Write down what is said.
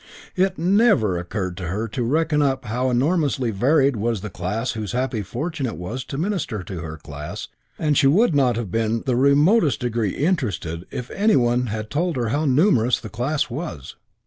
It never occurred to her to reckon up how enormously varied was the class whose happy fortune it was to minister to her class and she would not have been in the remotest degree interested if any one had told her how numerous the class was.